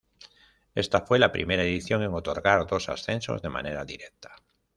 Esta fue la primera edición en otorgar dos ascensos de manera directa.